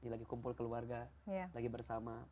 lagi lagi kumpul keluarga lagi bersama